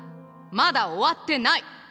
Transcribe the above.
まだ終わってない！